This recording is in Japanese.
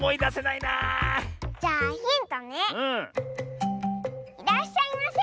いらっしゃいませ。